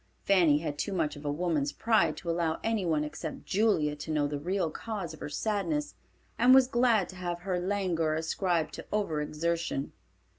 Fanny had too much of woman's pride to allow anyone except Julia to know the real cause of her sadness, and was glad to have her languor ascribed to over exertion.